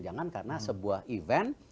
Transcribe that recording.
jangan karena sebuah event